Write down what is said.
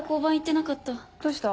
どうした？